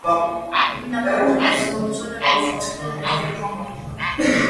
Հիմնականում օգտագործվել է գործվածքներ ներկելու համար։